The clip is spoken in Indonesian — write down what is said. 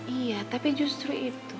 iya tapi justru itu